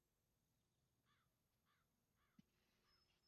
每层均开有相间排列的壸门或佛龛。